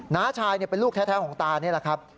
น้าชายเป็นลูกแท้ของตานี่แหละครับ